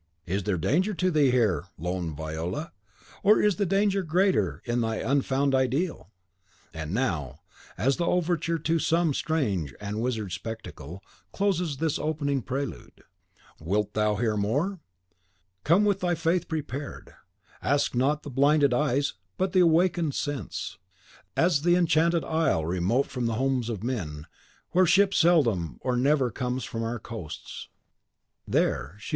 Is there danger to thee here, lone Viola, or is the danger greater in thy unfound ideal? And now, as the overture to some strange and wizard spectacle, closes this opening prelude. Wilt thou hear more? Come with thy faith prepared. I ask not the blinded eyes, but the awakened sense. As the enchanted Isle, remote from the homes of men, "Ove alcun legno Rado, o non mai va dalle nostre sponde," "Ger.